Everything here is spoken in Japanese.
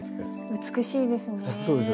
美しいですね。